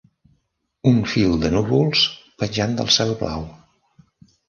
Un fil de núvols penjant del cel blau.